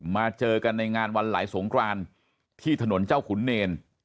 เจอกันในงานวันไหลสงครานที่ถนนเจ้าขุนเนร